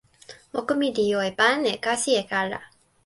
moku mi li jo e pan e kasi e kala.